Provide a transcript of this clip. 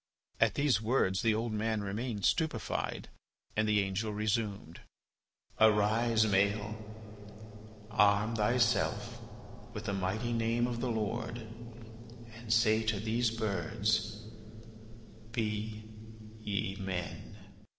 At these words the old man remained stupefied. And the angel resumed: "Arise, Maël, arm thyself with the mighty Name of the Lord, and say to these birds, 'Be ye men!